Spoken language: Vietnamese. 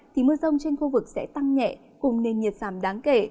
thì mưa rông trên khu vực sẽ tăng nhẹ cùng nền nhiệt giảm đáng kể